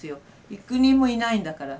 幾人もいないんだから。